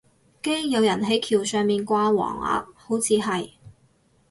驚有人係橋上面掛橫額，好似係